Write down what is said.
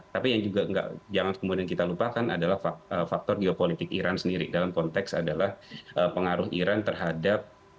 tapi yang juga jangan kemudian kita lupakan adalah faktor geopolitik iran sendiri dalam konteks adalah pengaruh iran terhadap